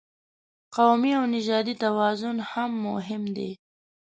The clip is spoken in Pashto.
قومي او نژادي توازن هم مهم دی.